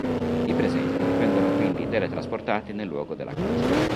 I presenti vengono quindi teletrasportati nel luogo della caccia.